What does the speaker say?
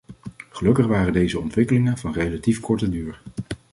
Gelukkig waren deze ontwikkelingen van relatief korte duur.